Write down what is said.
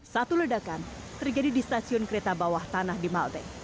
satu ledakan terjadi di stasiun kereta bawah tanah di malte